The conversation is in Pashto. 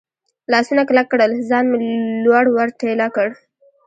لاسونه کلک کړل، ځان مې لوړ ور ټېله کړ.